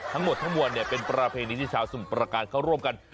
ทั้งหมดทั้งมวลเป็นประเพณีที่ชาวสมุทรประการเขาร่วมกัน